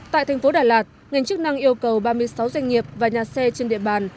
tại thành phố đà lạt ngành chức năng yêu cầu ba mươi sáu doanh nghiệp và nhà xe trên địa bàn